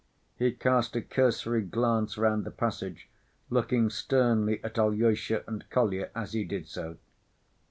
He cast a cursory glance round the passage, looking sternly at Alyosha and Kolya as he did so.